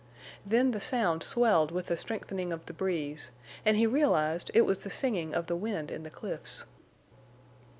Then the sound swelled with the strengthening of the breeze, and he realized it was the singing of the wind in the cliffs.